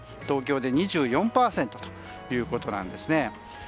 東京で２４％ということなんです。